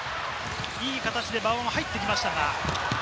いい形で馬場が入ってきました。